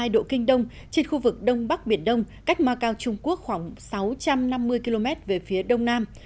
một trăm một mươi tám hai độ kinh đông trên khu vực đông bắc biển đông cách ma cao trung quốc khoảng sáu trăm năm mươi km về phía đông nam